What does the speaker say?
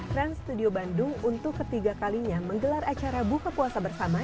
trans studio bandung untuk ketiga kalinya menggelar acara buka puasa bersama